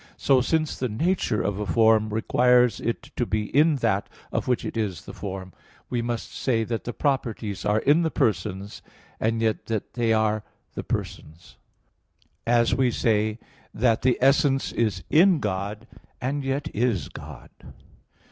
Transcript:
So, since the nature of a form requires it to be "in" that of which it is the form, we must say that the properties are in the persons, and yet that they are the persons; as we say that the essence is in God, and yet is God.